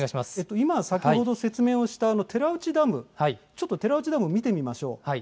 今、先ほど説明をした寺内ダム、ちょっと寺内ダム見てみましょう。